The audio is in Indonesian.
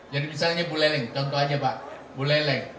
jadi misalnya buleleng contoh aja pak buleleng